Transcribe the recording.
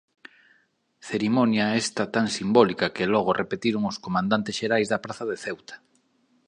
Cerimonia esta tan simbólica que logo repetiron os comandantes xerais da praza de Ceuta.